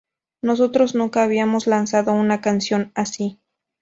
Nosotros nunca habíamos lanzado una canción así.